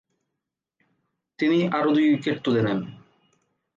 তিনি আরও দুই উইকেট তুলে নেন।